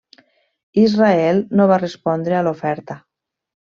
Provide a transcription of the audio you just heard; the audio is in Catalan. Israel no va respondre a l'oferta.